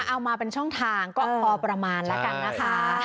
เอามาเป็นช่องทางก็พอประมาณแล้วกันนะคะ